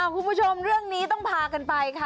คุณผู้ชมเรื่องนี้ต้องพากันไปค่ะ